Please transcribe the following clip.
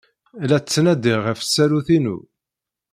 La ttnadiɣ ɣef tsarut-inu.